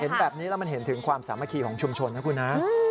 เห็นแบบนี้แล้วมันเห็นถึงความสามัคคีของชุมชนนะคุณฮะ